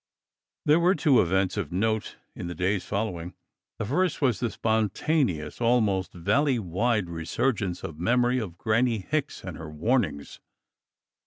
There were two events of note in the days following. The first was a spontaneous, almost valley wide resurgence of memory of Granny Wicks and her warnings.